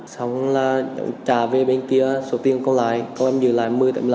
xong là trả về bên kia số tiền câu lại câu em nhờ lại một mươi một mươi năm